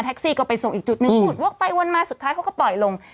ซี่ก็ไปส่งอีกจุดหนึ่งพูดวกไปวนมาสุดท้ายเขาก็ปล่อยลง